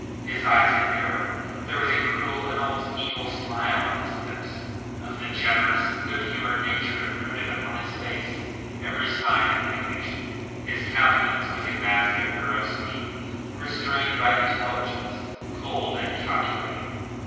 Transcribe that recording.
His eyes had narrowed; there was a cruel, an almost evil smile on his lips. Of the generous, good humoured nature imprinted upon his face every sign had vanished. His countenance was a mask of ferocity restrained by intelligence, cold and calculating.